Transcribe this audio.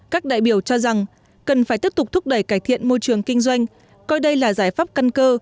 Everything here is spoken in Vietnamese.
các đại biểu cho rằng cần phải tiếp tục thúc đẩy cải thiện môi trường kinh doanh coi đây là giải pháp căn cơ